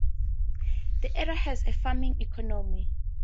The area has a farming economy.